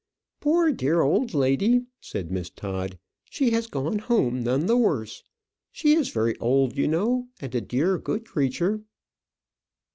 "Poor dear old lady," said Miss Todd, "she has gone home none the worse. She is very old, you know, and a dear good creature."